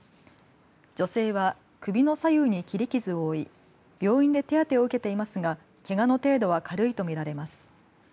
女性は首の左右に切り傷を負い病院で手当てを受けていますがけがの程度は軽いと見られます。